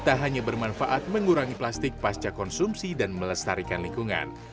tak hanya bermanfaat mengurangi plastik pasca konsumsi dan melestarikan lingkungan